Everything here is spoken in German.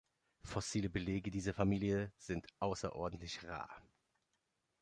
Fossile Belege dieser Familie sind außerordentlich rar.